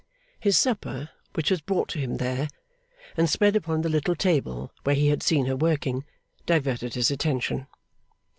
His supper, which was brought to him there, and spread upon the little table where he had seen her working, diverted his attention.